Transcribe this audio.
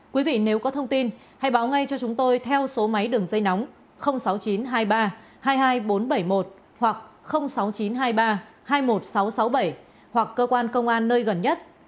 quý vị nếu có thông tin hãy báo ngay cho chúng tôi theo số máy đường dây nóng sáu mươi chín hai mươi ba hai mươi hai nghìn bốn trăm bảy mươi một hoặc sáu mươi chín hai mươi ba hai mươi một nghìn sáu trăm sáu mươi bảy hoặc cơ quan công an nơi gần nhất